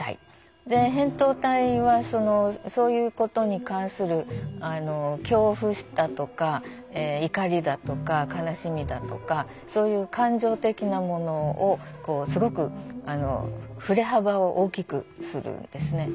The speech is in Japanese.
で扁桃体はそういうことに関する恐怖だとか怒りだとか悲しみだとかそういう感情的なものをこうすごく振れ幅を大きくするんですね。